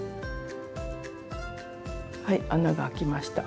はい穴が開きました。